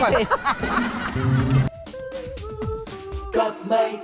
สวัสดีครับ